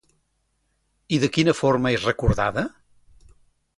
I de quina forma és recordada?